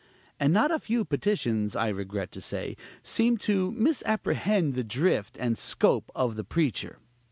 And not a few petitions, I regret to say, seemed to misapprehend the drift and scope of the preacher.